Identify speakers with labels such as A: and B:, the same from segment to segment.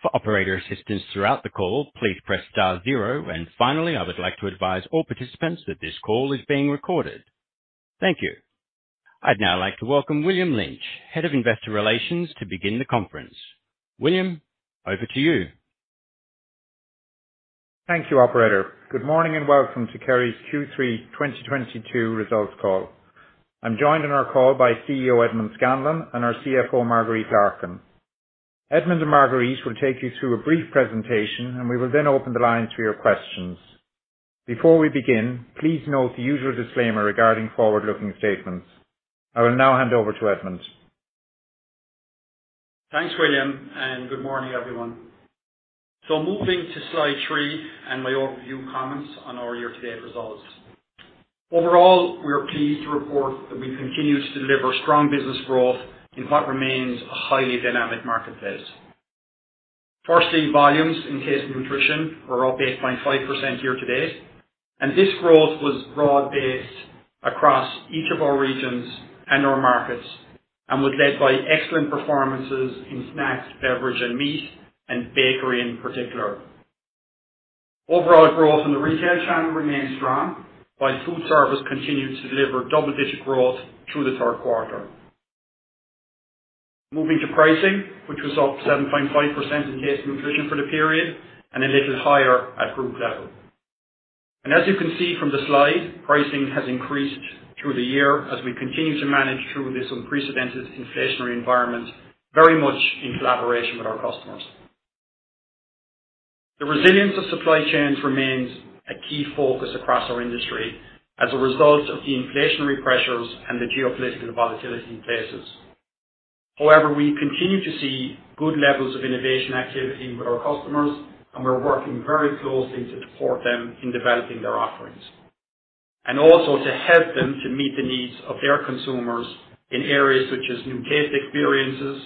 A: For operator assistance throughout the call, please press star zero. Finally, I would like to advise all participants that this call is being recorded. Thank you. I'd now like to welcome William Lynch, Head of Investor Relations, to begin the conference. William, over to you.
B: Thank you, operator. Good morning and welcome to Kerry's Q3 2022 results call. I'm joined on our call by CEO Edmond Scanlon and our CFO, Marguerite Larkin. Edmond and Marguerite will take you through a brief presentation, and we will then open the lines to your questions. Before we begin, please note the usual disclaimer regarding forward-looking statements. I will now hand over to Edmond.
C: Thanks, William, and good morning, everyone. Moving to slide three and my overview comments on our year-to-date results. Overall, we are pleased to report that we continue to deliver strong business growth in what remains a highly dynamic marketplace. Firstly, volumes in Taste & Nutrition are up 8.5% year to date, and this growth was broad-based across each of our regions and our markets, and was led by excellent performances in snacks, beverage and meat and bakery in particular. Overall growth in the retail channel remained strong, while food service continued to deliver double-digit growth through the third quarter. Moving to pricing, which was up 7.5% in Taste & Nutrition for the period and a little higher at group level. As you can see from the slide, pricing has increased through the year as we continue to manage through this unprecedented inflationary environment, very much in collaboration with our customers. The resilience of supply chains remains a key focus across our industry as a result of the inflationary pressures and the geopolitical volatility in places. However, we continue to see good levels of innovation activity with our customers, and we're working very closely to support them in developing their offerings. Also to help them to meet the needs of their consumers in areas such as new taste experiences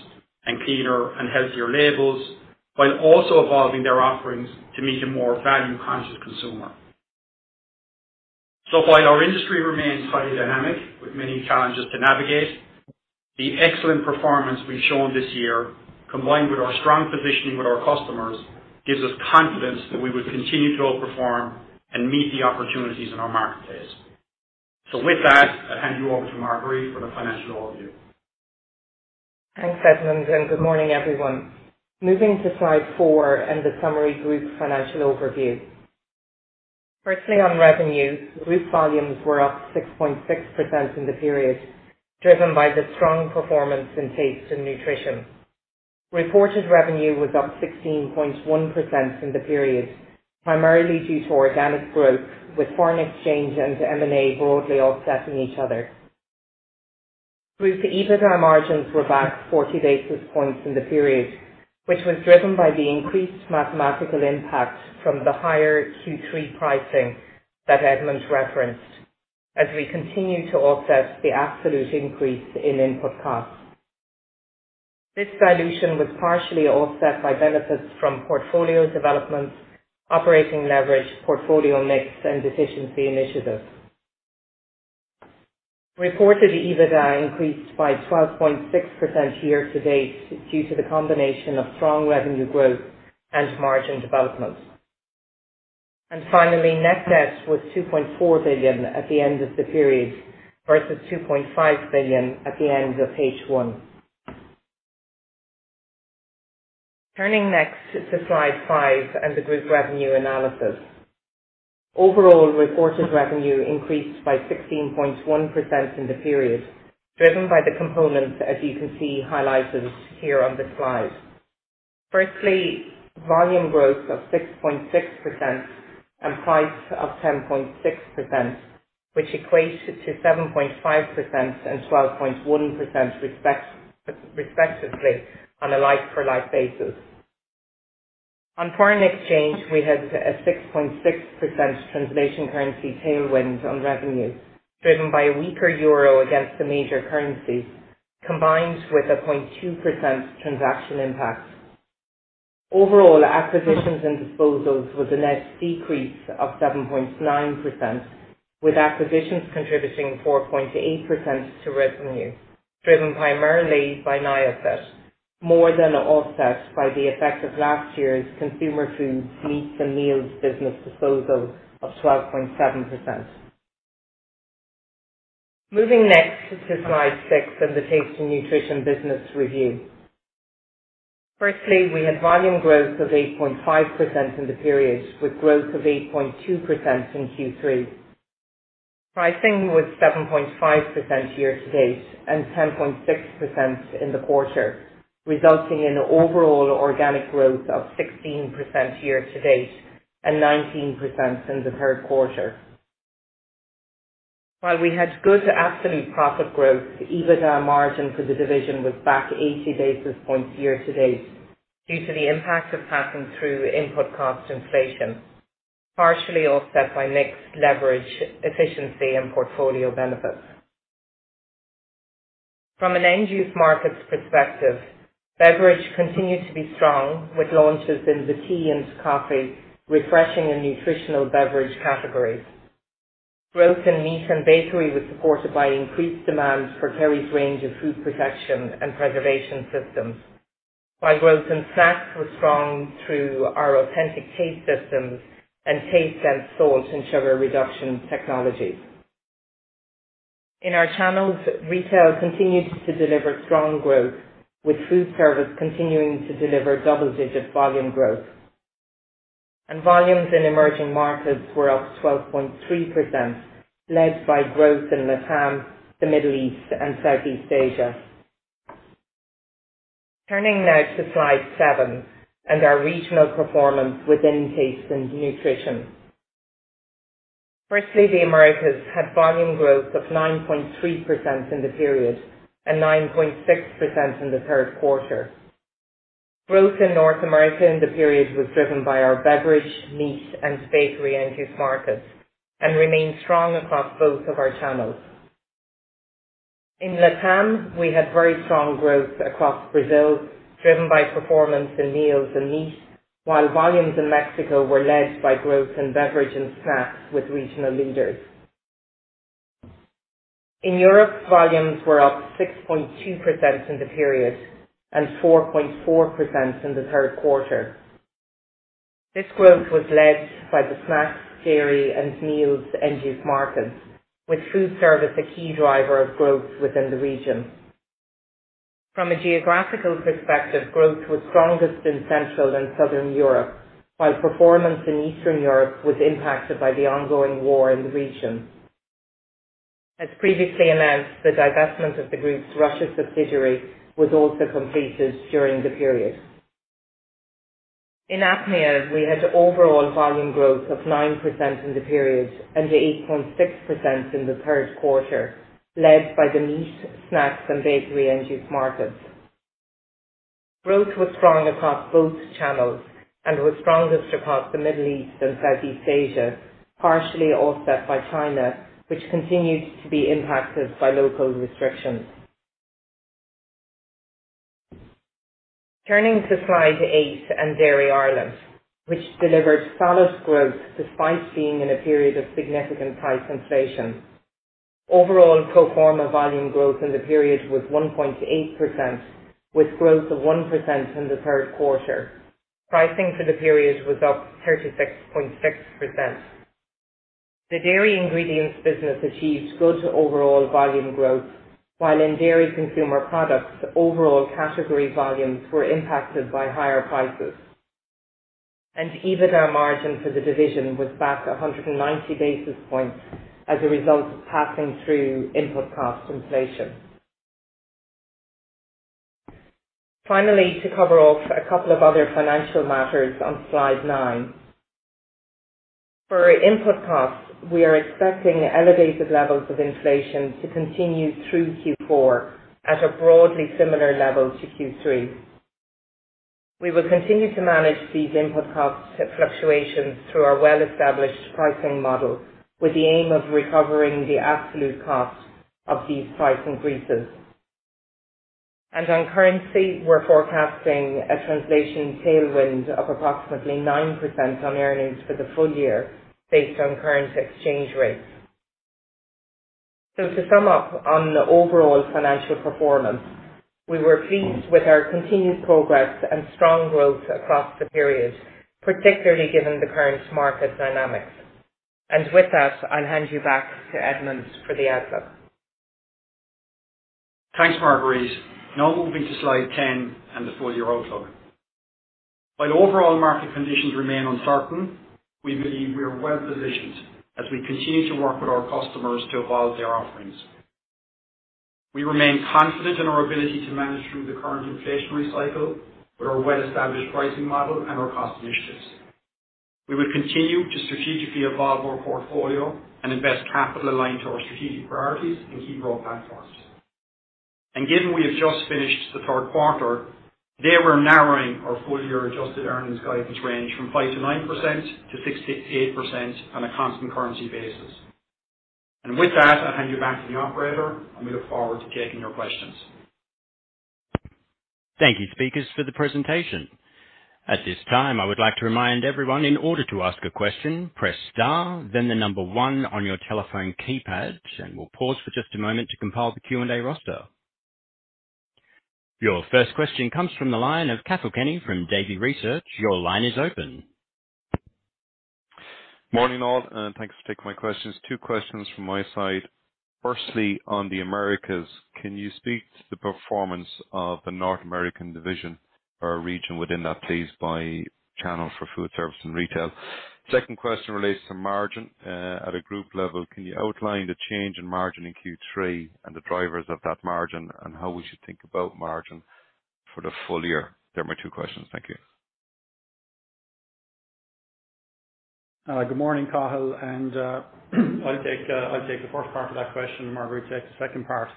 C: and cleaner and healthier labels, while also evolving their offerings to meet a more value-conscious consumer. While our industry remains highly dynamic with many challenges to navigate, the excellent performance we've shown this year, combined with our strong positioning with our customers, gives us confidence that we would continue to outperform and meet the opportunities in our marketplace. With that, I'll hand you over to Marguerite for the financial overview.
D: Thanks, Edmond, and good morning, everyone. Moving to slide four and the summary group financial overview. Firstly, on revenue, group volumes were up 6.6% in the period, driven by the strong performance in Taste and Nutrition. Reported revenue was up 16.1% in the period, primarily due to organic growth with foreign exchange and M&A broadly offsetting each other. Group EBITDA margins were back 40 basis points in the period, which was driven by the increased mathematical impact from the higher Q3 pricing that Edmond referenced as we continue to offset the absolute increase in input costs. This dilution was partially offset by benefits from portfolio developments, operating leverage, portfolio mix and efficiency initiatives. Reported EBITDA increased by 12.6% year to date due to the combination of strong revenue growth and margin development. Finally, net debt was 2.4 billion at the end of the period, versus 2.5 billion at the end of H1. Turning next to slide 5 and the group revenue analysis. Overall reported revenue increased by 16.1% in the period, driven by the components, as you can see highlighted here on the slide. Firstly, volume growth of 6.6% and price of 10.6%, which equates to 7.5% and 12.1% respectively on a like-for-like basis. On foreign exchange, we had a 6.6% translation currency tailwind on revenues driven by a weaker euro against the major currencies, combined with a 0.2% transaction impact. Overall, acquisitions and disposals was a net decrease of 7.9%, with acquisitions contributing 4.8% to revenue, driven primarily by Niacet, more than offset by the effect of last year's Consumer Foods meats and meals business disposal of 12.7%. Moving next to slide 6 and the Taste & Nutrition business review. Firstly, we had volume growth of 8.5% in the period, with growth of 8.2% in Q3. Pricing was 7.5% year to date and 10.6% in the quarter, resulting in overall organic growth of 16% year to date and 19% in the third quarter. We had good absolute profit growth, the EBITDA margin for the division was back 80 basis points year to date due to the impact of passing through input cost inflation, partially offset by mix leverage, efficiency and portfolio benefits. From an end-use markets perspective, beverage continued to be strong with launches in the tea and coffee, refreshing and nutritional beverage categories. Growth in meat and bakery was supported by increased demand for Kerry's range of food protection and preservation systems, while growth in snacks was strong through our authentic taste systems and taste and salt and sugar reduction technologies. In our channels, retail continued to deliver strong growth, with food service continuing to deliver double-digit volume growth. Volumes in emerging markets were up 12.3%, led by growth in LATAM, the Middle East, and Southeast Asia. Turning now to Slide 7 and our regional performance within Taste & Nutrition. The Americas had volume growth of 9.3% in the period, and 9.6% in the third quarter. Growth in North America in the period was driven by our beverage, meat, and bakery end-use markets, and remained strong across both of our channels. In LATAM, we had very strong growth across Brazil, driven by performance in meals and meat, while volumes in Mexico were led by growth in beverage and snacks with regional leaders. In Europe, volumes were up 6.2% in the period, and 4.4% in the third quarter. This growth was led by the snacks, dairy, and meals end-use markets, with food service a key driver of growth within the region. From a geographical perspective, growth was strongest in Central and Southern Europe, while performance in Eastern Europe was impacted by the ongoing war in the region. As previously announced, the divestment of the group's Russia subsidiary was also completed during the period. In APMEA, we had overall volume growth of 9% in the period, and 8.6% in the third quarter, led by the meat, snacks, and bakery end-use markets. Growth was strong across both channels and was strongest across the Middle East and Southeast Asia, partially offset by China, which continues to be impacted by local restrictions. Turning to slide 8 and Dairy Ireland, which delivered solid growth despite being in a period of significant price inflation. Overall, pro forma volume growth in the period was 1.8%, with growth of 1% in the third quarter. Pricing for the period was up 36.6%. The dairy ingredients business achieved good overall volume growth, while in dairy consumer products, overall category volumes were impacted by higher prices, and EBITDA margin for the division was back 190 basis points as a result of passing through input cost inflation. Finally, to cover off a couple of other financial matters on slide 9. INput costs, we are expecting elevated levels of inflation to continue through Q4 at a broadly similar level to Q3. We will continue to manage these input cost fluctuations through our well-established pricing model, with the aim of recovering the absolute cost of these price increases. On currency, we're forecasting a translation tailwind of approximately 9% on earnings for the full year based on current exchange rates. To sum up on the overall financial performance, we were pleased with our continued progress and strong growth across the period, particularly given the current market dynamics. I'll hand you back to Edmond for the outlook.
C: Thanks, Marguerite. Now moving to slide 10 and the full year outlook. While overall market conditions remain uncertain, we believe we are well positioned as we continue to work with our customers to evolve their offerings. We remain confident in our ability to manage through the current inflationary cycle with our well-established pricing model and our cost initiatives. We will continue to strategically evolve our portfolio and invest capital aligned to our strategic priorities and key growth platforms. Given we have just finished the third quarter, today we're narrowing our full year adjusted earnings guidance range from 5%-9% to 6%-8% on a constant currency basis. I'll hand you back to the operator, and we look forward to taking your questions.
A: Thank you, speakers, for the presentation. At this time, I would like to remind everyone, in order to ask a question, press star, then the number one on your telephone keypad, and we'll pause for just a moment to compile the Q&A roster. Your first question comes from the line of Cathal Kenny from Davy Research. Your line is open.
E: Morning all, and thanks for taking my questions. Two questions from my side. Firstly, on the Americas, can you speak to the performance of the North American division or region within that, please, by channel for food service and retail? Second question relates to margin. At a group level, can you outline the change in margin in Q3 and the drivers of that margin and how we should think about margin for the full year? They're my two questions. Thank you.
C: Good morning, Cathal. I'll take the first part of that question, and Marguerite will take the second part.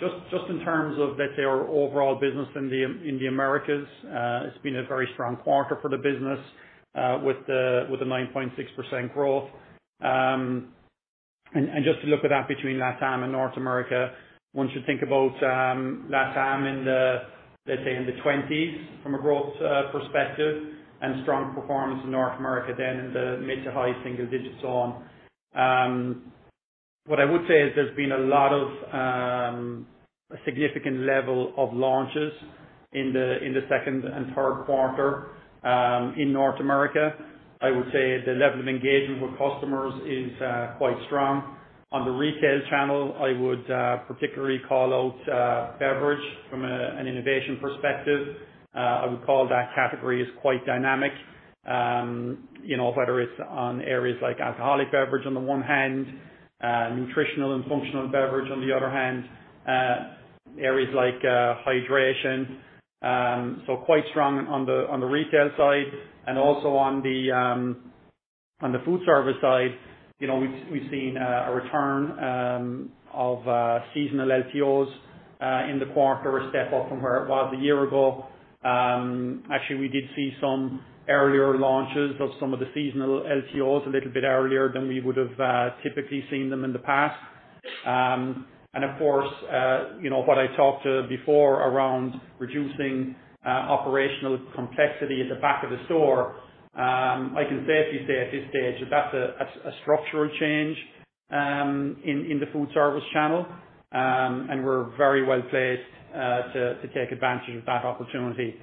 C: Just in terms of, let's say, our overall business in the Americas, it's been a very strong quarter for the business with the 9.6% growth. Just to look at that between LATAM and North America, one should think about LATAM in the 20s from a growth perspective and strong performance in North America then in the mid- to high-single digits%. What I would say is there's been a lot of a significant level of launches in the second and third quarter in North America. I would say the level of engagement with customers is quite strong. On the retail channel, I would particularly call out beverage from an innovation perspective. I would call that category as quite dynamic. Whether it's on areas like alcoholic beverage on the one hand, nutritional and functional beverage on the other hand, areas like hydration. Quite strong on the retail side. Also on the food service side, you know, we've seen a return of seasonal LTOs in the quarter, a step up from where it was a year ago. Actually, we did see some earlier launches of some of the seasonal LTOs a little bit earlier than we would've typically seen them in the past. What I talked about before around reducing operational complexity at the back of the store, I can safely say at this stage that that's a structural change in the food service channel. We're very well placed to take advantage of that opportunity.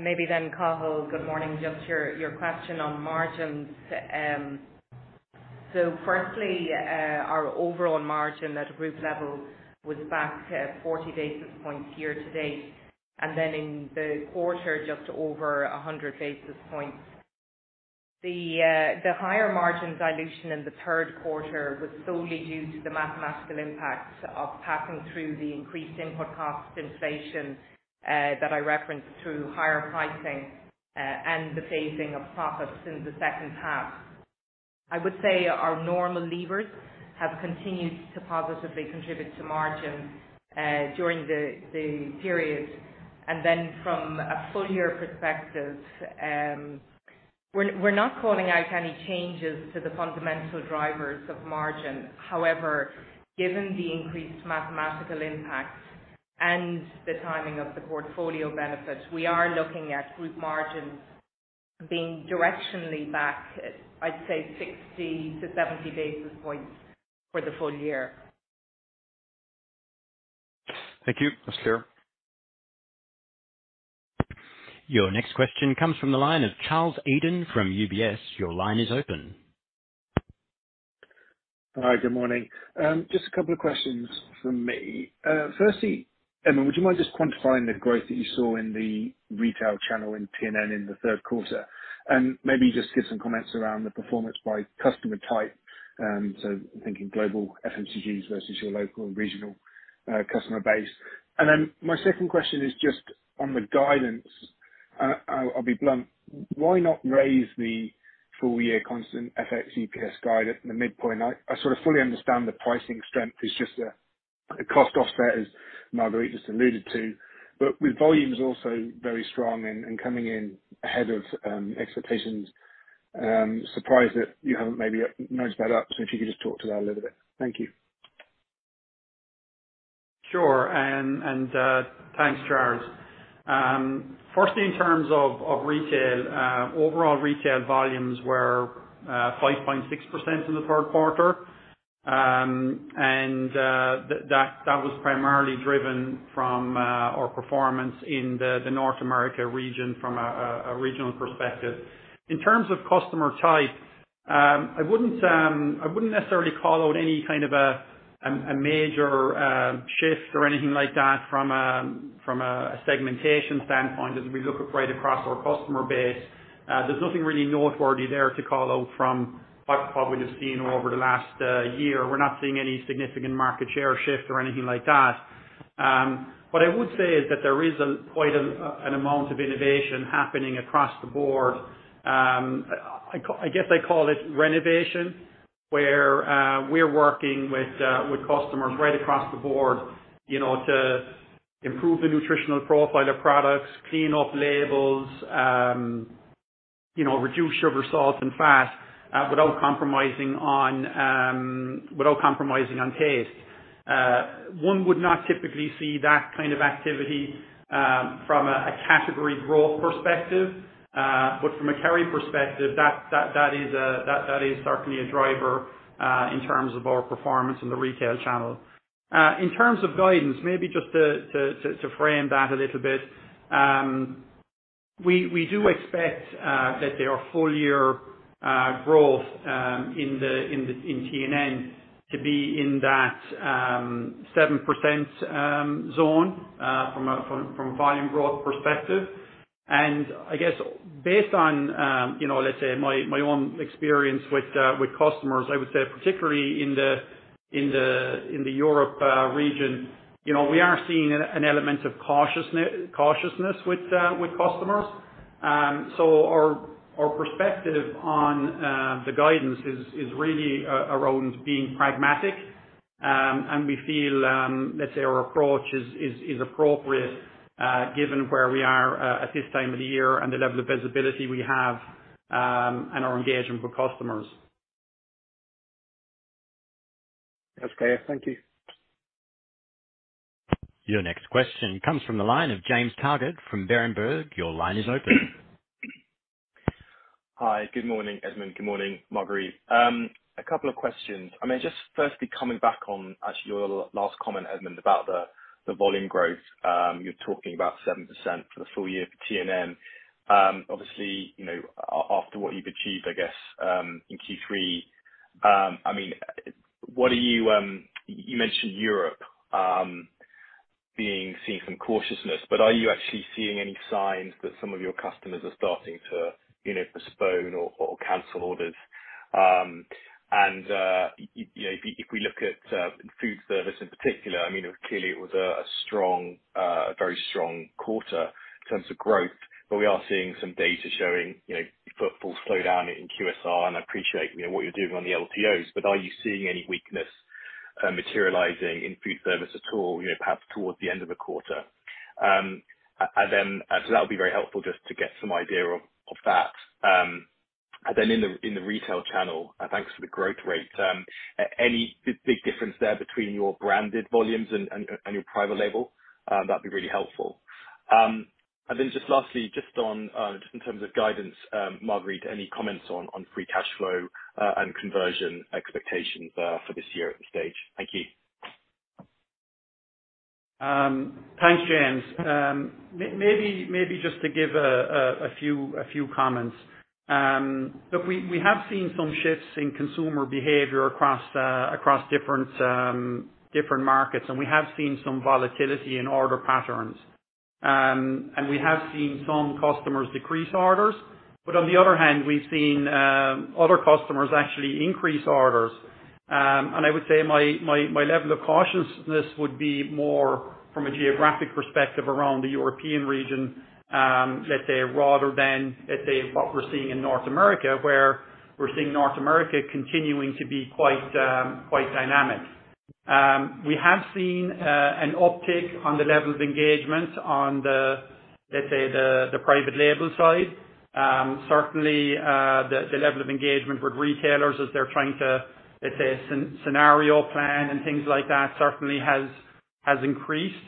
D: Maybe then Cathal, good morning. Just your question on margins. So firstly, our overall margin at a group level was back 40 basis points year to date. Then in the quarter, just over 100 basis points. The higher margin dilution in the third quarter was solely due to the mathematical impact of passing through the increased input cost inflation that I referenced through higher pricing and the phasing of profits in the second half. I would say our normal levers have continued to positively contribute to margin during the period. Then from a full year perspective, we're not calling out any changes to the fundamental drivers of margin. However, given the increased macroeconomic impact and the timing of the portfolio benefits, we are looking at group margins being directionally back at, I'd say, 60-70 basis points for the full year.
E: Thank you. That's clear.
A: Your next question comes from the line of Charles Eden from UBS. Your line is open.
F: Hi. Good morning. Just a couple of questions from me. Firstly, Edmond, would you mind just quantifying the growth that you saw in the retail channel in T&N in the third quarter? Maybe just give some comments around the performance by customer type. I'm thinking global FMCGs versus your local and regional customer base. Then my second question is just on the guidance. I'll be blunt. Why not raise the full year constant FX EPS guide at the midpoint? I sort of fully understand the pricing strength is just a cost offset, as Marguerite just alluded to. With volumes also very strong and coming in ahead of expectations, surprised that you haven't maybe noticed that up. If you could just talk to that a little bit. Thank you.
C: Sure. Thanks, Charles. Firstly, in terms of retail, overall retail volumes were 5.6% in the third quarter. That was primarily driven from our performance in the North America region from a regional perspective. In terms of customer type, I wouldn't necessarily call out any kind of a major shift or anything like that from a segmentation standpoint as we look right across our customer base. There's nothing really noteworthy there to call out from what we've just seen over the last year. We're not seeing any significant market share shift or anything like that. What I would say is that there is quite an amount of innovation happening across the board. I guess I call it renovation, where we're working with customers right across the board, you know, to improve the nutritional profile of products, clean up labels, you know, reduce sugar, salt, and fat, without compromising on taste. One would not typically see that kind of activity from a category growth perspective, but from a Kerry perspective, that is certainly a driver in terms of our performance in the retail channel. In terms of guidance, maybe just to frame that a little bit, we do expect that their full year growth in the T&N to be in that 7% zone from a volume growth perspective. I guess based on, you know, let's say my own experience with customers, I would say particularly in the European region, you know, we are seeing an element of cautiousness with customers. Our perspective on the guidance is really around being pragmatic, and we feel, let's say our approach is appropriate, given where we are at this time of the year and the level of visibility we have, and our engagement with customers.
F: That's clear. Thank you.
A: Your next question comes from the line of James Taggart from Berenberg. Your line is open.
G: Hi. Good morning, Edmond. Good morning, Marguerite. A couple of questions. I mean, just firstly coming back on, actually, your last comment, Edmond, about the volume growth. You're talking about 7% for the full year for T&N. After what you've achieved, I guess, in Q3, I mean, what are you... You mentioned Europe being, seeing some cautiousness, but are you actually seeing any signs that some of your customers are starting to, you know, postpone or cancel orders? You know, if we look at food service in particular, I mean, clearly it was a very strong quarter in terms of growth. We are seeing some data showing, you know, footfall slow down in QSR, and I appreciate, you know, what you're doing on the LTOs, but are you seeing any weakness materializing in food service at all, you know, perhaps towards the end of the quarter? That would be very helpful just to get some idea of that. In the retail channel, thanks for the growth rate. Any big difference there between your branded volumes and your private label? That'd be really helpful. Just lastly, just on just in terms of guidance, Marguerite, any comments on free cash flow and conversion expectations for this year at this stage? Thank you.
C: Thanks, James. Maybe just to give a few comments. Look, we have seen some shifts in consumer behavior across different markets, and we have seen some volatility in order patterns. We have seen some customers decrease orders. On the other hand, we've seen other customers actually increase orders. I would say my level of cautiousness would be more from a geographic perspective around the European region, let's say, rather than, let's say, what we're seeing in North America, where we're seeing North America continuing to be quite dynamic. We have seen an uptick on the level of engagement on the private label side. Certainly, the level of engagement with retailers as they're trying to, let's say, scenario plan and things like that certainly has increased.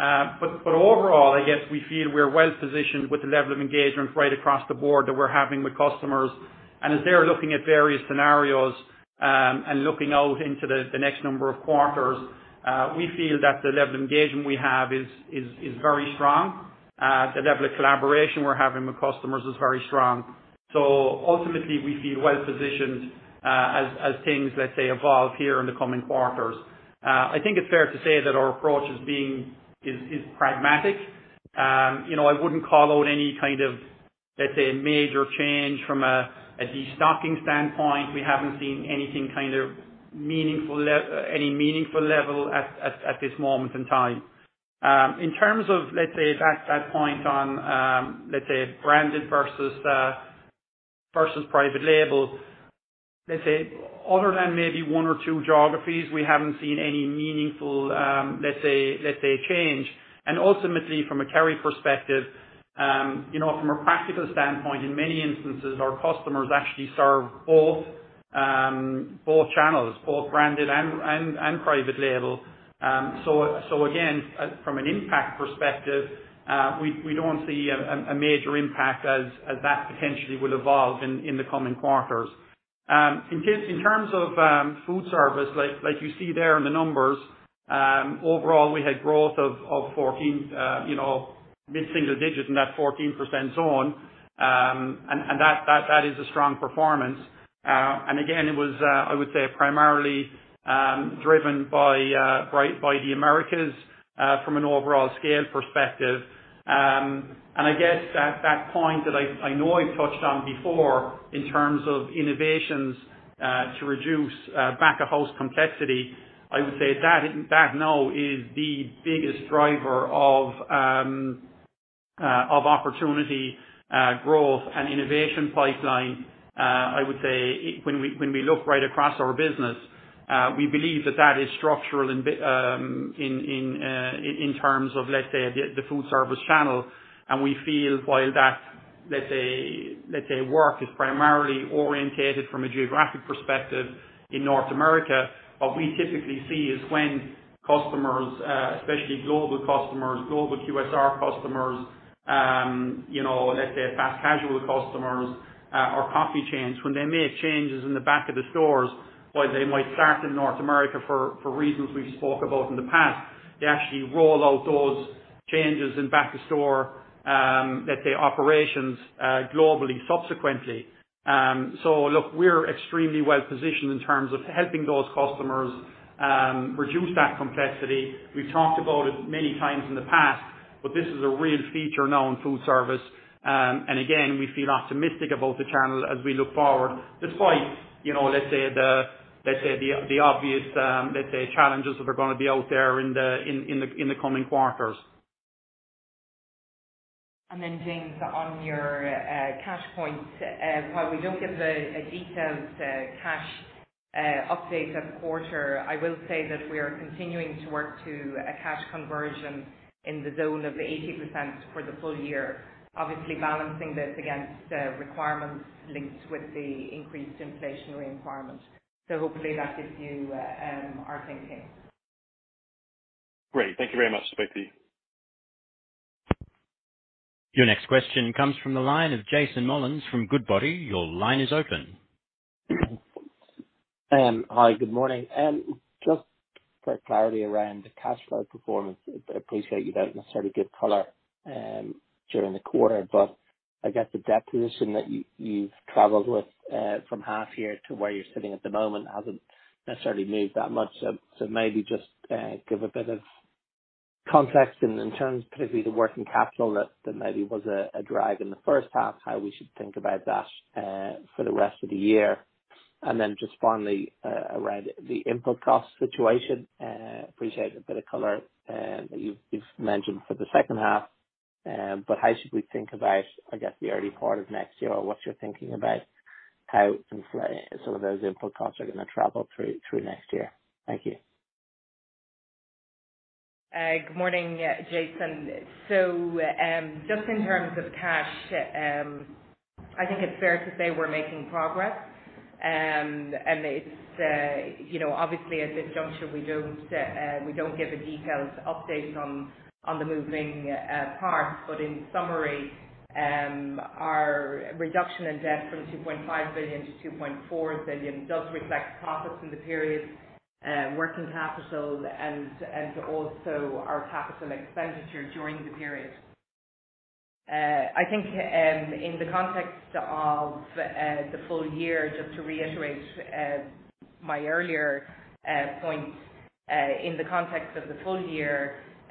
C: Overall, I guess we feel we're well positioned with the level of engagement right across the board that we're having with customers. As they're looking at various scenarios, and looking out into the next number of quarters, we feel that the level of engagement we have is very strong. The level of collaboration we're having with customers is very strong. Ultimately, we feel well positioned, as things, let's say, evolve here in the coming quarters. I think it's fair to say that our approach is pragmatic. I wouldn't call out any kind of, let's say, a major change from a destocking standpoint. We haven't seen any meaningful level at this moment in time. In terms of, let's say, that point on, let's say branded versus private label, let's say other than maybe one or two geographies, we haven't seen any meaningful, let's say change. Ultimately, from a Kerry perspective, you know, from a practical standpoint, in many instances, our customers actually serve both channels, both branded and private label. Again, from an impact perspective, we don't see a major impact as that potentially will evolve in the coming quarters. In terms of food service, like you see there in the numbers, overall, we had growth of 14, you know, mid-single digits in that 14% zone. That is a strong performance, I would say, primarily driven by the Americas from an overall scale perspective. I guess at that point I know I've touched on before in terms of innovations to reduce back-of-house complexity. I would say that now is the biggest driver of opportunity growth and innovation pipeline. I would say when we look right across our business, we believe that that is structural in terms of, let's say, the food service channel. We feel while that, let's say work is primarily oriented from a geographic perspective in North America. What we typically see is when customers, especially global customers, global QSR customers, you know, let's say fast casual customers, or coffee chains, when they make changes in the back of the stores, while they might start in North America for reasons we've spoke about in the past, they actually roll out those changes in back-of-store, let's say operations, globally subsequently. Look, we're extremely well-positioned in terms of helping those customers reduce that complexity. We've talked about it many times in the past, but this is a real feature now in food service. Again, we feel optimistic about the channel as we look forward despite, you know, the obvious challenges that are gonna be out there in the coming quarters.
D: James, on your cash point, while we don't give a detailed cash update of the quarter, I will say that we are continuing to work to a cash conversion in the zone of 80% for the full year. Obviously balancing this against requirements linked with the increased inflationary environment. Hopefully that gives you our thinking.
G: Great. Thank you very much, Marguerite Larkin.
A: Your next question comes from the line of Jason Molins from Goodbody. Your line is open.
H: Hi, good morning. Just for clarity around the cash flow performance, I appreciate you don't necessarily give color during the quarter, but I guess the debt position that you've traveled with from half year to where you're sitting at the moment hasn't necessarily moved that much. Just give a bit of context in terms particularly the working capital that maybe was a drag in the first half, how we should think about that for the rest of the year. Just finally around the input cost situation. Appreciate the bit of color that you've mentioned for the second half, but how should we think about, I guess, the early part of next year, or what you're thinking about how some of those input costs are gonna travel through next year? Thank you.
D: Good morning, Jason. Just in terms of cash, I think it's fair to say we're making progress. It's, you know, obviously, at this juncture, we don't give a detailed update on the moving parts, but in summary, our reduction in debt from 2.5 billion to 2.4 billion does reflect profits in the period, working capital and also our capital expenditure during the period. I think in the context of the full year, just to reiterate my earlier point in the context of the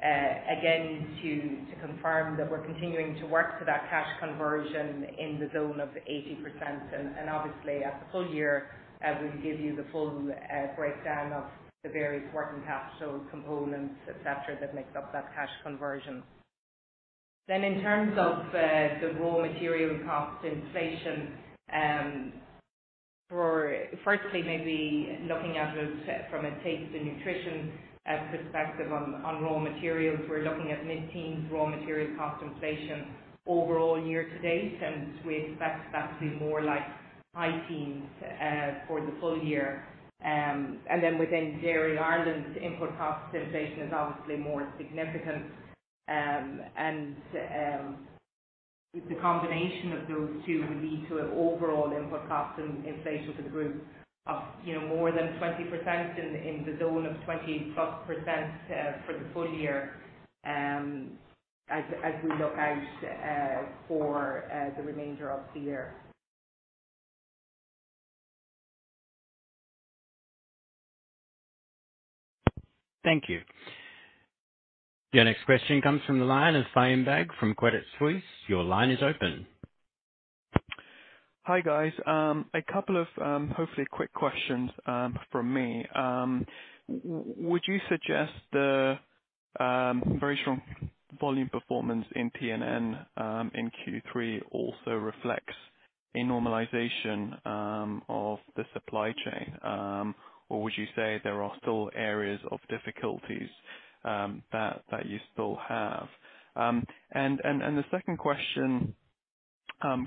D: full year, again, to confirm that we're continuing to work to that cash conversion in the zone of 80%. Obviously at the full year, as we give you the full breakdown of the various working capital components, et cetera, that makes up that cash conversion. In terms of the raw material cost inflation, for firstly maybe looking at it from a Taste & Nutrition perspective on raw materials, we're looking at mid-teens% raw material cost inflation overall year to date, and we expect that to be more like high teens% for the full year. Within Dairy Ireland, input cost inflation is obviously more significant. The combination of those two would lead to an overall input cost inflation for the group of more than 20% in the zone of 20+% for the full year, as we look out for the remainder of the year.
A: Thank you. The next question comes from the line of Faham Baig from UBS. Your line is open.
I: Hi, guys. A couple of hopefully quick questions from me. Would you suggest the very strong volume performance in T&N in Q3 also reflects a normalization of the supply chain? Or would you say there are still areas of difficulties that you still have? The second question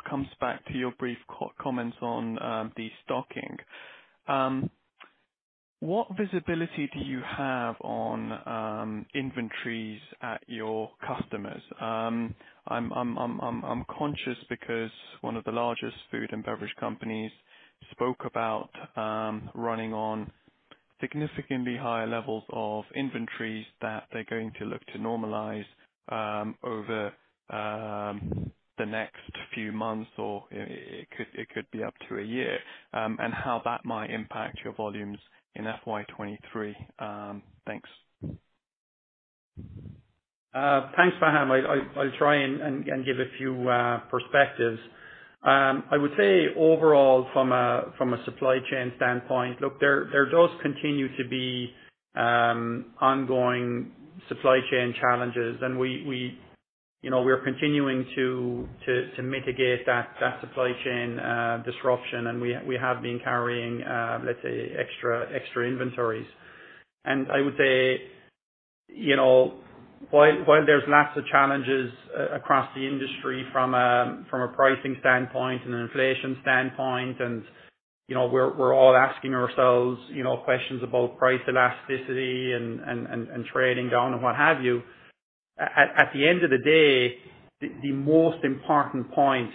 I: comes back to your brief comments on the stocking. What visibility do you have on inventories at your customers? I'm conscious because one of the largest food and beverage companies spoke about running on significantly higher levels of inventories that they're going to look to normalize over the next few months, or it could be up to a year, and how that might impact your volumes in FY 2023. Thanks.
C: Thanks, Faham. I'll try and give a few perspectives. I would say overall from a supply chain standpoint, look, there does continue to be ongoing supply chain challenges and we, you know, are continuing to mitigate that supply chain disruption. We have been carrying, let's say, extra inventories. I would say, you know, while there's lots of challenges across the industry from a pricing standpoint and an inflation standpoint, and, you know, we're all asking ourselves, you know, questions about price elasticity and trading down and what have you. At the end of the day, the most important point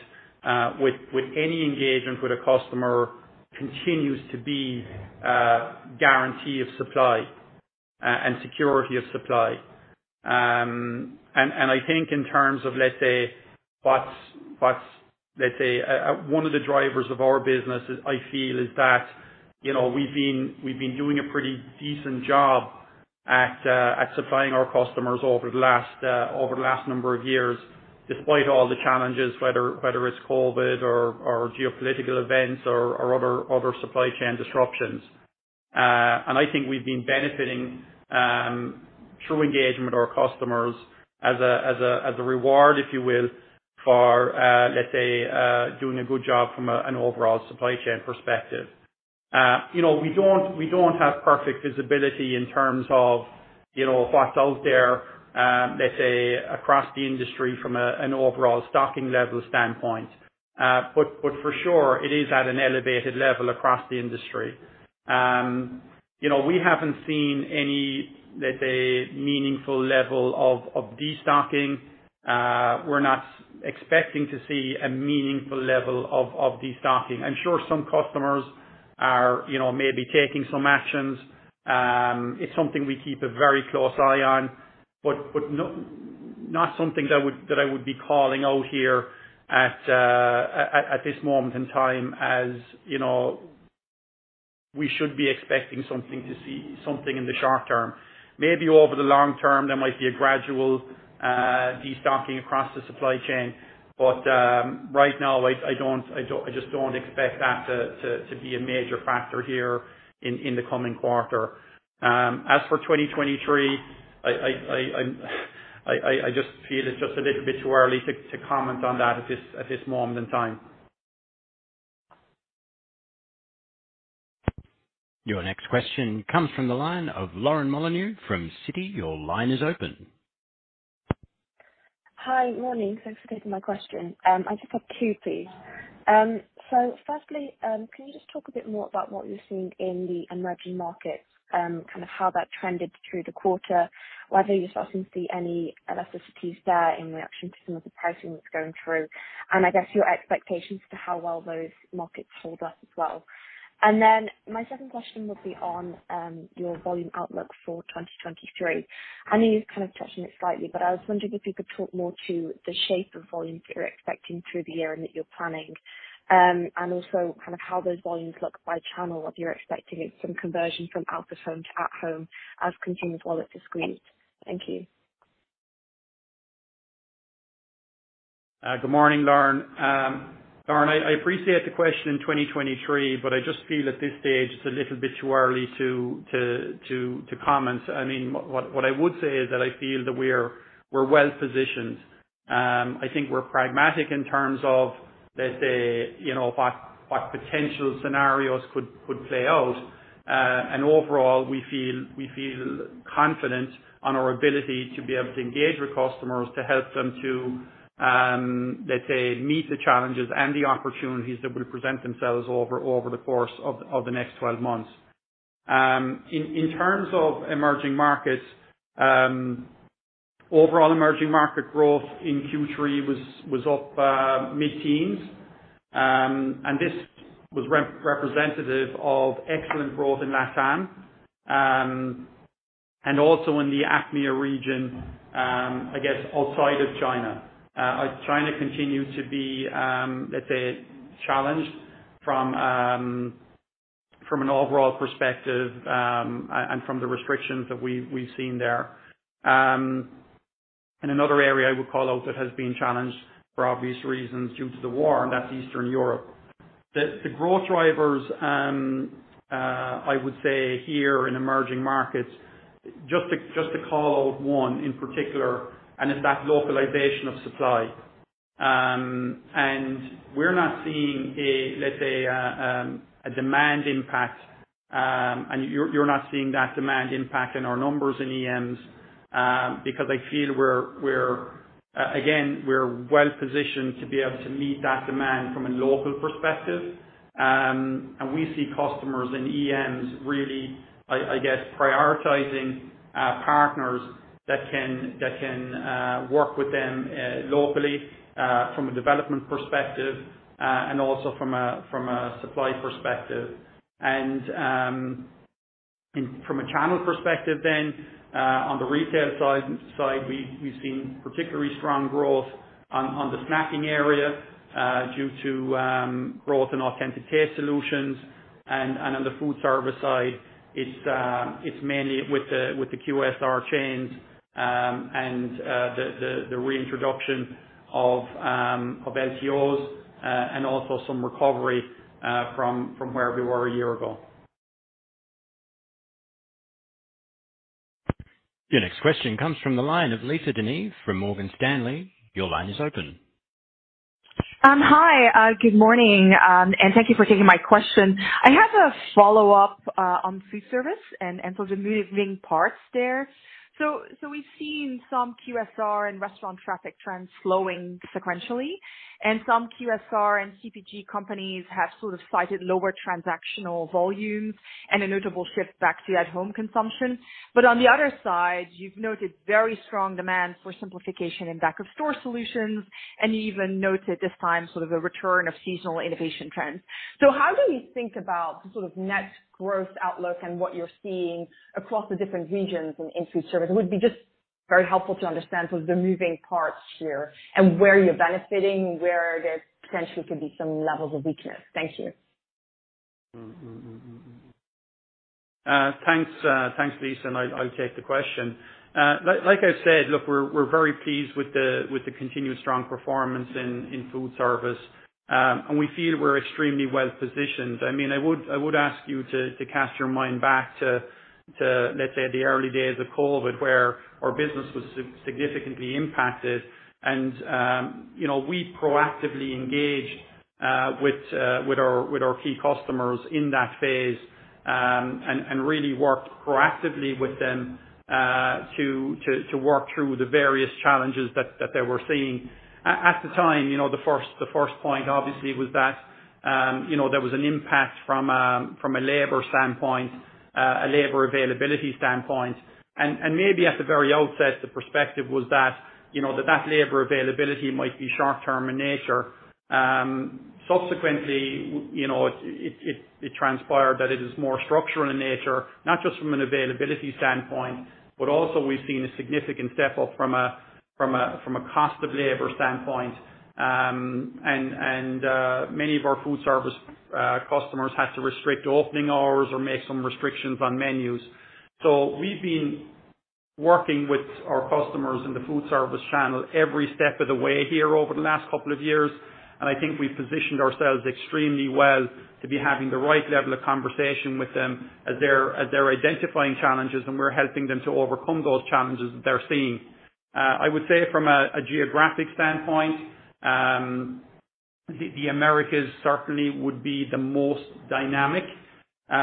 C: with any engagement with a customer continues to be guarantee of supply and security of supply. I think in terms of, let's say, what's, let's say, one of the drivers of our business is I feel is that, you know, we've been doing a pretty decent job at supplying our customers over the last number of years, despite all the challenges, whether it's COVID or geopolitical events or other supply chain disruptions. I think we've been benefiting through engagement with our customers as a reward, if you will, for, let's say, doing a good job from an overall supply chain perspective. We don't have perfect visibility in terms of, you know, what's out there, let's say across the industry from an overall stocking level standpoint. For sure it is at an elevated level across the industry.e haven't seen any, let's say, meaningful level of destocking. We're not expecting to see a meaningful level of destocking. I'm sure some customers are, you know, maybe taking some actions. It's something we keep a very close eye on, but not something that would that I would be calling out here at this moment in time, as you know, we should be expecting something to see something in the short term. Maybe over the long term, there might be a gradual destocking across the supply chain. Right now, I just don't expect that to be a major factor here in the coming quarter. As for 2023, I just feel it's just a little bit too early to comment on that at this moment in time.
A: Your next question comes from the line of Lauren Molyneux from Citi. Your line is open.
J: Hi. Morning. Thanks for taking my question. I just have two, please. Firstly, can you just talk a bit more about what you're seeing in the emerging markets, kind of how that trended through the quarter, whether you're starting to see any elasticities there in reaction to some of the pricing that's going through, and I guess your expectations for how well those markets hold up as well. My second question would be on your volume outlook for 2023. I know you've kind of touched on it slightly, but I was wondering if you could talk more to the shape of volumes that you're expecting through the year and that you're planning, and also kind of how those volumes look by channel, if you're expecting some conversion from out of home to at home as consumers' wallets get tighter. Thank you.
C: Good morning, Lauren. Lauren, I appreciate the question in 2023, but I just feel at this stage it's a little bit too early to comment. I mean, what I would say is that I feel that we're well positioned. I think we're pragmatic in terms of, let's say, you know, what potential scenarios could play out. Overall, we feel confident on our ability to be able to engage with customers to help them to, let's say, meet the challenges and the opportunities that will present themselves over the course of the next twelve months. In terms of emerging markets, overall emerging market growth in Q3 was up mid-teens%. This was representative of excellent growth in LATAM, and also in the APMEA region, I guess outside of China. China continued to be, let's say, challenged from an overall perspective, and from the restrictions that we've seen there. Another area I would call out that has been challenged for obvious reasons due to the war, and that's Eastern Europe. The growth drivers, I would say here in emerging markets, just to call out one in particular, and it's that localization of supply. We're not seeing, let's say, a demand impact, and you're not seeing that demand impact in our numbers in EMs, because I feel we're, again, well-positioned to be able to meet that demand from a local perspective. We see customers in EMs really, I guess, prioritizing partners that can work with them locally from a development perspective and also from a supply perspective. From a channel perspective, on the retail side we've seen particularly strong growth on the snacking area due to growth in authentic taste solutions. On the food service side, it's mainly with the QSR chains and the reintroduction of LTOs and also some recovery from where we were a year ago.
A: Your next question comes from the line of Lisa De Neve from Morgan Stanley. Your line is open.
K: Hi. Good morning, and thank you for taking my question. I have a follow-up on food service and the moving parts there. We've seen some QSR and restaurant traffic trends slowing sequentially and some QSR and CPG companies have sort of cited lower transactional volumes and a notable shift back to at-home consumption. On the other side, you've noted very strong demand for simplification in back-of-store solutions and even noted this time sort of a return of seasonal innovation trends. How do you think about the sort of next growth outlook and what you're seeing across the different regions in food service? It would be just very helpful to understand sort of the moving parts here and where you're benefiting, where there potentially could be some levels of weakness. Thank you.
C: Thanks, Lisa. I'll take the question. Like I said, look, we're very pleased with the continued strong performance in food service, and we feel we're extremely well-positioned. I mean, I would ask you to cast your mind back to, let's say, the early days of COVID, where our business was significantly impacted. We proactively engaged with our key customers in that phase, and really worked proactively with them, to work through the various challenges that they were seeing. At the time, you know, the first point obviously was that, you know, there was an impact from a labor standpoint, a labor availability standpoint. Maybe at the very outset, the perspective was that, you know, that labor availability might be short term in nature. Subsequently, you know, it transpired that it is more structural in nature, not just from an availability standpoint, but also we've seen a significant step up from a cost of labor standpoint. Many of our food service customers had to restrict opening hours or make some restrictions on menus. We've been working with our customers in the food service channel every step of the way here over the last couple of years, and I think we've positioned ourselves extremely well to be having the right level of conversation with them as they're identifying challenges, and we're helping them to overcome those challenges that they're seeing. I would say from a geographic standpoint, the Americas certainly would be the most dynamic. What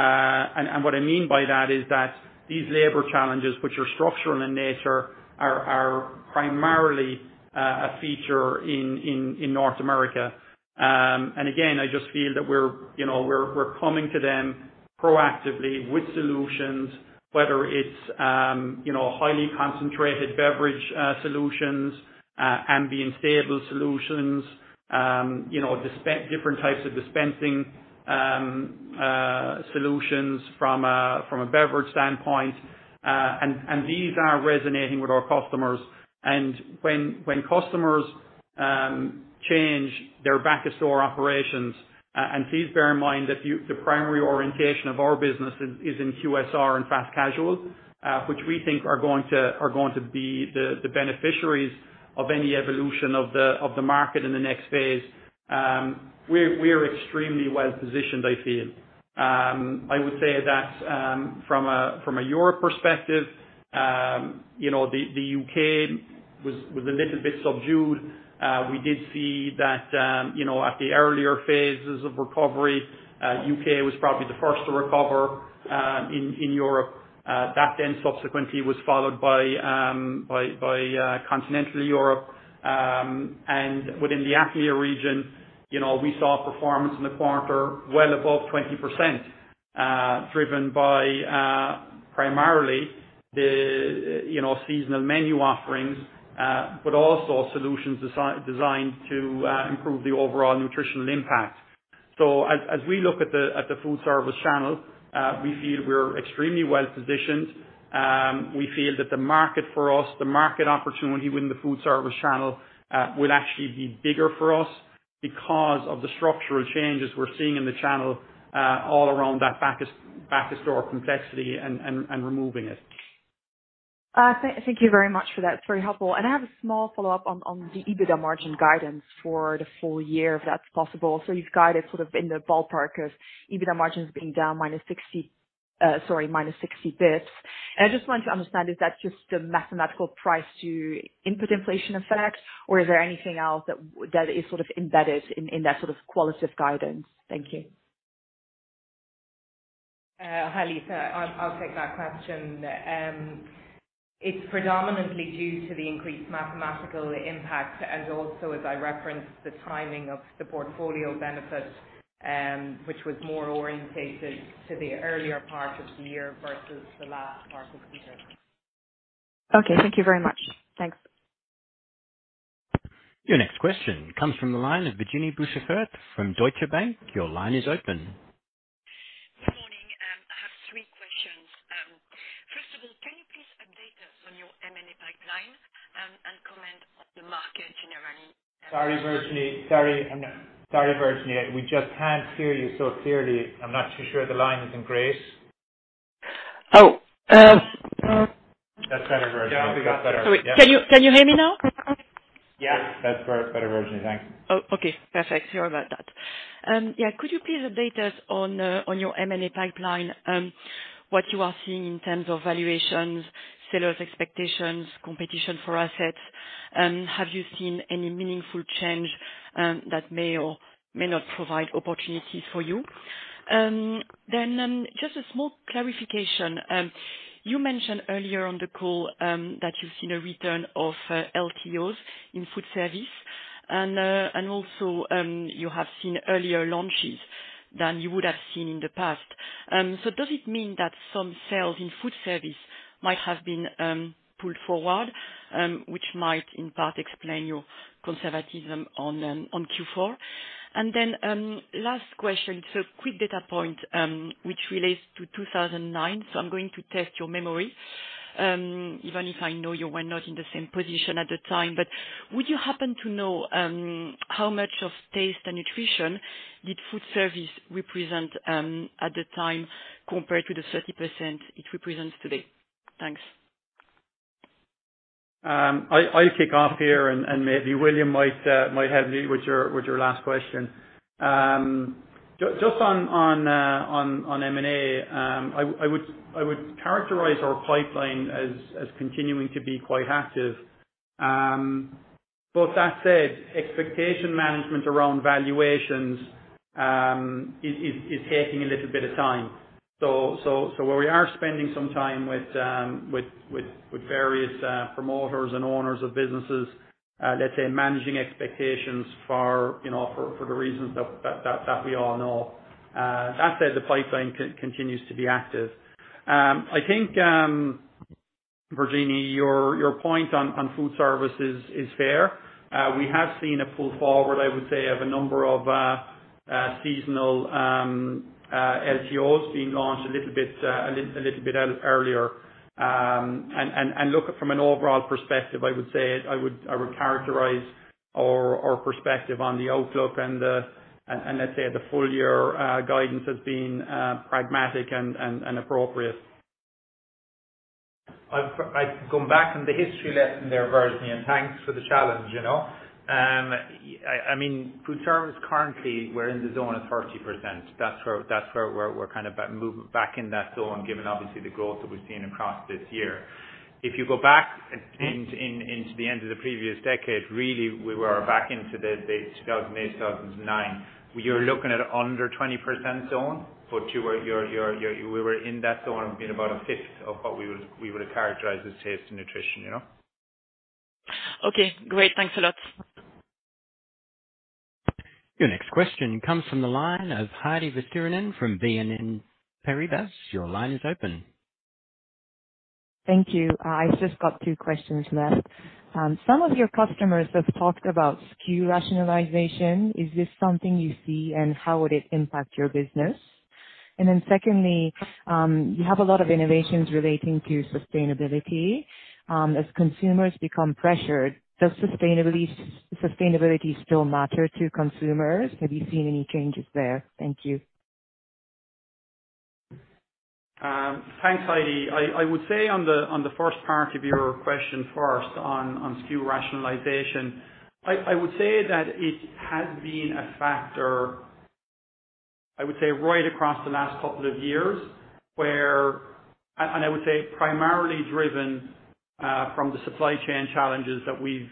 C: I mean by that is that these labor challenges, which are structural in nature, are primarily a feature in North America. Again, I just feel that we're, you know, coming to them proactively with solutions, whether it's, you know, highly concentrated beverage solutions, ambient stable solutions, you know, different types of dispensing solutions from a beverage standpoint. These are resonating with our customers. When customers change their back of store operations. Please bear in mind that the primary orientation of our business is in QSR and fast casual, which we think are going to be the beneficiaries of any evolution of the market in the next phase. We're extremely well-positioned, I feel. I would say that from a European perspective, you know, the U.K. was a little bit subdued. We did see that, you know, at the earlier phases of recovery, U.K. was probably the first to recover in Europe. That then subsequently was followed by continental Europe. Within the Asia region, you know, we saw performance in the quarter well above 20%, driven by primarily the, you know, seasonal menu offerings, but also solutions designed to improve the overall nutritional impact. As we look at the food service channel, we feel we're extremely well-positioned. We feel that the market for us, the market opportunity within the food service channel, will actually be bigger for us because of the structural changes we're seeing in the channel, all around that back of store complexity and removing it.
K: Thank you very much for that. It's very helpful. I have a small follow-up on the EBITDA margin guidance for the full year, if that's possible. You've guided sort of in the ballpark of EBITDA margins being down minus 60 basis points. I just wanted to understand, is that just a mathematical price to input inflation effects or is there anything else that is sort of embedded in that sort of qualitative guidance? Thank you.
D: Hi, Lisa. I'll take that question. It's predominantly due to the increased macroeconomic impact and also, as I referenced, the timing of the portfolio benefit, which was more oriented to the earlier part of the year versus the last part of the year.
K: Okay. Thank you very much. Thanks.
A: Your next question comes from the line of Virginie Boussicaut from Deutsche Bank Your line is open.
L: Good morning. I have three questions. First of all, can you please update us on your M&A pipeline, and comment on the market in Iran
C: Sorry, Virginie. We just can't hear you so clearly. I'm not too sure the line has improved.
L: Oh.
C: That's better, Virginie.
A: Yeah, we got better. Yeah.
L: Sorry. Can you hear me now?
C: Yeah.
A: That's better, Virginie. Thanks.
L: Perfect. Sorry about that. Yeah. Could you please update us on your M&A pipeline, what you are seeing in terms of valuations, sellers' expectations, competition for assets? Have you seen any meaningful change that may or may not provide opportunities for you? Just a small clarification. You mentioned earlier on the call that you've seen a return of LTOs in food service and also you have seen earlier launches than you would have seen in the past. Does it mean that some sales in food service might have been pulled forward, which might in part explain your conservatism on Q4? Last question. Quick data point, which relates to 2009, so I'm going to test your memory. Even if I know you were not in the same position at the time, but would you happen to know, how much of Taste & Nutrition did food service represent, at the time compared to the 30% it represents today? Thanks.
C: I'll kick off here and maybe William might help me with your last question. Just on M&A, I would characterize our pipeline as continuing to be quite active. That said, expectation management around valuations is taking a little bit of time. Where we are spending some time with various promoters and owners of businesses, let's say managing expectations for, you know, for the reasons that we all know. That said, the pipeline continues to be active. I think, Virginie, your point on food services is fair. We have seen a pull forward, I would say, of a number of seasonal LTOs being launched a little bit earlier. Look from an overall perspective, I would characterize our perspective on the outlook and let's say the full year guidance has been pragmatic and appropriate. I've gone back in the history lesson there, Virginie. Thanks for the challenge, you know. I mean, food service currently we're in the zone of 30%. That's where we're kind of back in that zone, given obviously the growth that we've seen across this year. If you go back into the end of the previous decade, really we were back into the 2008, 2009. We are looking at under 20% zone. We were in that zone in about a fifth of what we would characterize as Taste and Nutrition, you know.
L: Okay, great. Thanks a lot.
A: Your next question comes from the line of Heidi Vesterinen from BNP Paribas. Your line is open.
M: Thank you. I've just got two questions left. Some of your customers have talked about SKU rationalization. Is this something you see, and how would it impact your business? Then secondly, you have a lot of innovations relating to sustainability. As consumers become pressured, does sustainability still matter to consumers? Have you seen any changes there? Thank you.
C: Thanks, Heidi. I would say on the first part of your question, first on SKU rationalization. I would say that it has been a factor right across the last couple of years, and I would say primarily driven from the supply chain challenges that we've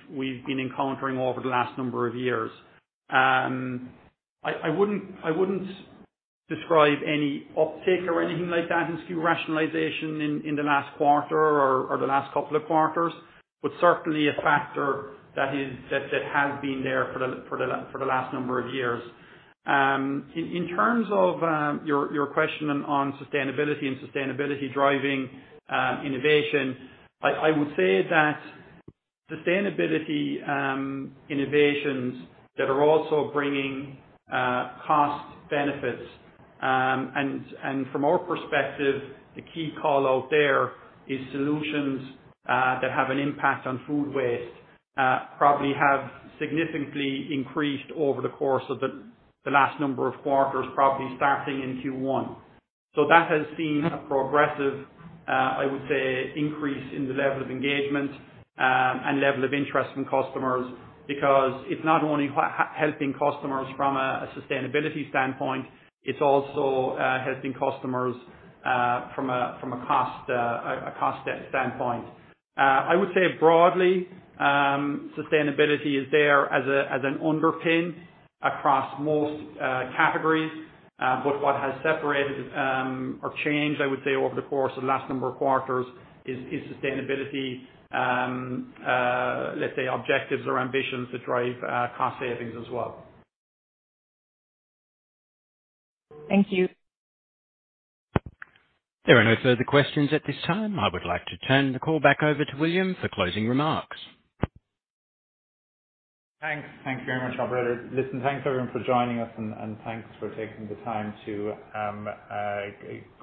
C: been encountering over the last number of years. I wouldn't describe any uptick or anything like that in SKU rationalization in the last quarter or the last couple of quarters, but certainly a factor that has been there for the last number of years. In terms of your question on sustainability and sustainability driving innovation. I would say that sustainability innovations that are also bringing cost benefits, and from our perspective, the key call out there is solutions that have an impact on food waste, probably have significantly increased over the course of the last number of quarters, probably starting in Q1. That has seen a progressive, I would say, increase in the level of engagement and level of interest from customers, because it's not only helping customers from a sustainability standpoint, it's also helping customers from a cost standpoint. I would say broadly, sustainability is there as an underpin across most categories, but what has separated or changed, I would say, over the course of the last number of quarters is sustainability, let's say objectives or ambitions to drive cost savings as well.
M: Thank you.
A: There are no further questions at this time. I would like to turn the call back over to William for closing remarks.
B: Thanks. Thank you very much, operator. Listen, thanks everyone for joining us and thanks for taking the time to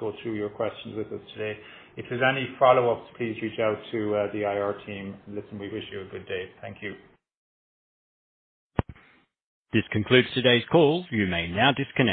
B: go through your questions with us today. If there's any follow-ups, please reach out to the IR team. Listen, we wish you a good day. Thank you.
A: This concludes today's call. You may now disconnect.